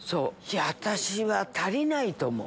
私は足りないと思う。